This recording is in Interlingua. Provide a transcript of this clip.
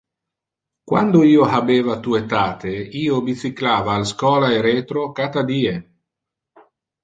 Quando io habeva tu etate, io bicyclava al schola e retro cata die.